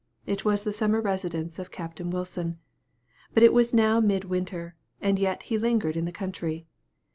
It was the summer residence of Captain Wilson. But it was now mid winter, and yet he lingered in the country.